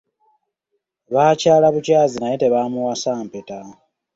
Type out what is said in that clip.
Baakyala bukyazi naye tebaamuwasa mpeta.